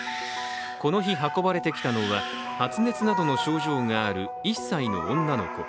この日、運ばれてきたのは発熱などの症状がある１歳の女の子。